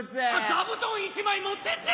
座布団１枚持ってって！